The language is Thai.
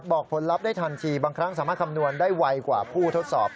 ผลลัพธ์ได้ทันทีบางครั้งสามารถคำนวณได้ไวกว่าผู้ทดสอบ